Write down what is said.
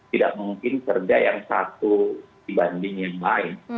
tidak mungkin kerja yang satu dibanding yang lain